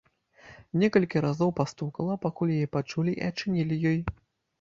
Некалькі разоў пастукала, пакуль яе пачулі і адчынілі ёй.